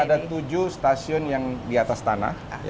ada tujuh stasiun yang di atas tanah